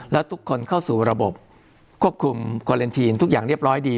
แล้วทุกคนเข้าสู่ระบบควบคุมคอเลนทีนทุกอย่างเรียบร้อยดี